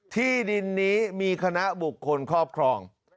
ที่ดินนี้มีคณะบุคคลครอบครอง